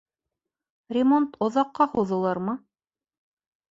Ремонт оҙаҡҡа һуҙылырмы?